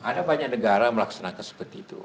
ada banyak negara melaksanakan seperti itu